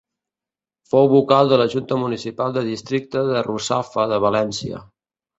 Fou vocal de la Junta Municipal de Districte de Russafa de València.